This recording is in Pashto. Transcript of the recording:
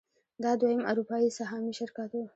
دا دویم اروپايي سهامي شرکت و.